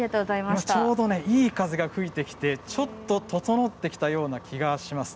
ちょうどいい風が吹いてきてちょっとととのってきたような気がします。